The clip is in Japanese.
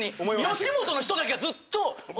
吉本の人だけがずっと。